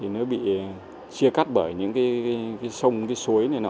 nó bị chia cắt bởi những sông suối này